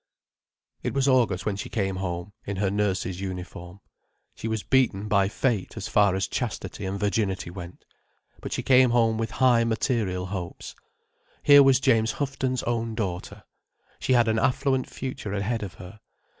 It was August when she came home, in her nurse's uniform. She was beaten by fate, as far as chastity and virginity went. But she came home with high material hopes. Here was James Houghton's own daughter. She had an affluent future ahead of her.